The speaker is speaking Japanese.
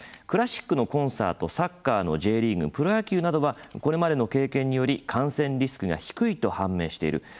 クラシックのコンサートサッカーのＪリーグプロ野球などはこれまでの経験により感染リスクが低いと判明している。